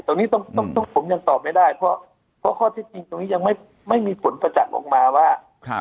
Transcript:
ตรงนี้ผมยังตอบไม่ได้เพราะข้อที่จริงตรงนี้ยังไม่มีผลประจักษ์ออกมาว่า